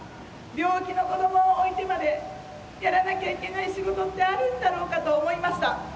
病気の子どもを置いてまでやらなきゃいけない仕事ってあるんだろうかと思いました。